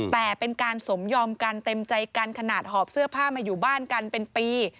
แต่เป็นการสมยอมกันเต็มใจกันขนาดหอบเสื้อผ้ามาอยู่บ้านกันเป็นปี